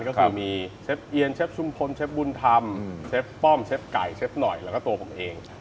ก็คือมีเชฟเอียนเชฟชุมพลเชฟบุญธรรมเชฟป้อมเชฟไก่เชฟหน่อยแล้วก็ตัวผมเอง